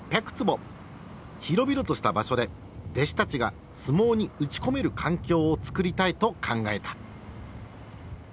広々とした場所で弟子たちが相撲に打ち込める環境を作りたいと考えた。